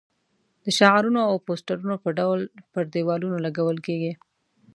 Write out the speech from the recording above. د شعارونو او پوسټرونو په ډول پر دېوالونو لګول کېږي.